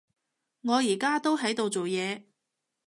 我而家都喺度做嘢